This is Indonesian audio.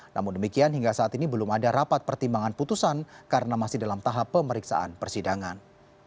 namun demikian hingga saat ini belum ada rapat pertimbangan putusan karena masih dalam tahap pemeriksaan persidangan